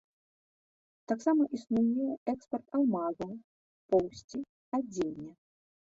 Таксама існуе экспарт алмазаў, поўсці, адзення.